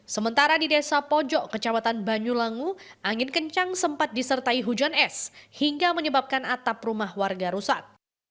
sementara di desa pojok kecamatan banyulangu angin kencang sempat disertai hujan es hingga menyebabkan atap rumah warga rusak